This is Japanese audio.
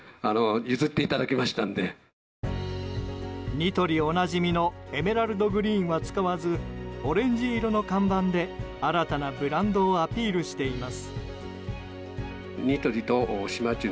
ニトリおなじみのエメラルドグリーンは使わずオレンジ色の看板で新たなブランドをアピールしています。